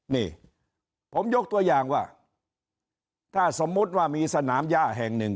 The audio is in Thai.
นี่ผมยกตัวอย่างว่าถ้าสมมุติว่ามีสนามย่าแห่งหนึ่ง